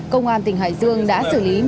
công an tỉnh hải dương đã xử lý